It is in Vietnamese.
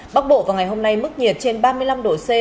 bắc bộ vào ngày hôm nay mức nhiệt trên ba mươi năm độ c